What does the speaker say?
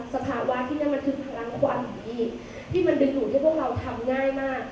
สภาวะที่นั่งมันคือพลังความสุขที่นี่ที่มันดึงหลุดให้พวกเราทำง่ายมาก